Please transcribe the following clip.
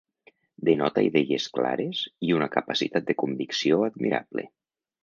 Denota idees clares i una capacitat de convicció admirable.